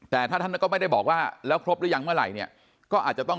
แต่ถ้าท่านก็ไม่ได้บอกว่าแล้วครบหรือยังเมื่อไหร่เนี่ยก็อาจจะต้อง